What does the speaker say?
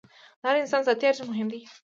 د هر انسان ذاتي ارزښت مهم دی.